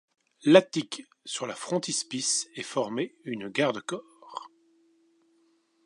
L’attique sur la frontispice est formée une garde-corps.